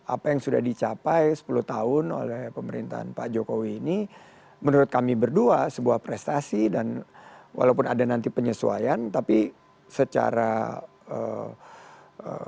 apa yang sudah dicapai sepuluh tahun oleh pemerintahan pak jokowi ini menurut kami berdua sebuah prestasi dan walaupun ada nanti penyesuaian tapi secara ee